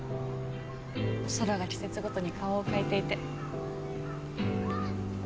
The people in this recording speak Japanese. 空が季節ごとに顔を変えていて。